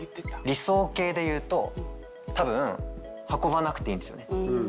理想形で言うと多分運ばなくていいんですよね。